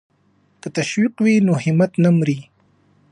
که تشویق وي نو همت نه مري.